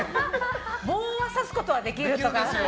棒は挿すことができるとか。